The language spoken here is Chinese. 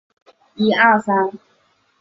母殷贵嫔。